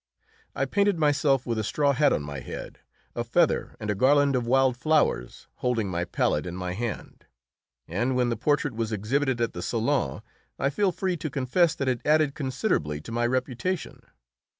I painted myself with a straw hat on my head, a feather, and a garland of wild flowers, holding my palette in my hand. And when the portrait was exhibited at the Salon I feel free to confess that it added considerably to my reputation.